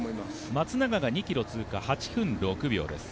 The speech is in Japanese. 松永が２ｋｍ通過８分６秒です。